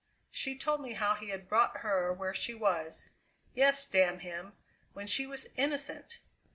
She told me how he had brought her where she was yes, damn him! when she was innocent!